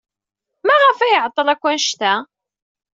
Maɣef ay iɛeḍḍel akk anect-a?